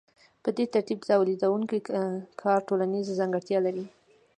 په دې ترتیب د تولیدونکي کار ټولنیزه ځانګړتیا لري